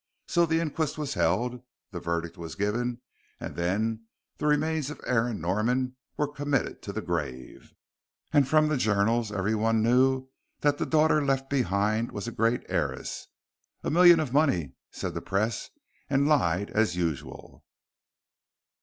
So the inquest was held, the verdict was given, and then the remains of Aaron Norman were committed to the grave; and from the journals everyone knew that the daughter left behind was a great heiress. "A million of money," said the Press, and lied as usual.